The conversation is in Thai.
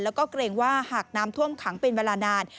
แล้วก็เกรงว่าหากน้ำท่วมขังเป็นเวลานาน